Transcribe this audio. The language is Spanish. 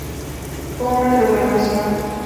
Fue una revelación.